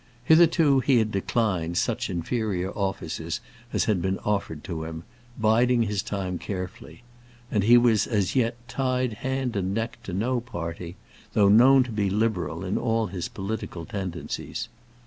Hitherto he had declined such inferior offices as had been offered to him, biding his time carefully; and he was as yet tied hand and neck to no party, though known to be liberal in all his political tendencies.